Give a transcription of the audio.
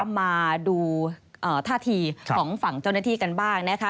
มาดูท่าทีของฝั่งเจ้าหน้าที่กันบ้างนะคะ